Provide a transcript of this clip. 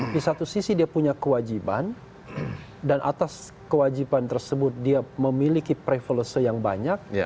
di satu sisi dia punya kewajiban dan atas kewajiban tersebut dia memiliki privolusi yang banyak